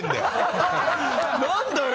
何だよ